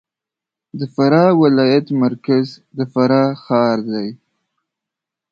د فراه ولایت مرکز د فراه ښار دی